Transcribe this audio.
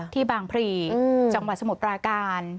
ที่บางพรีจังหวัดสมุทรปราการ